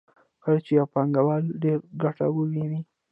کله چې یو پانګوال ډېره ګټه وویني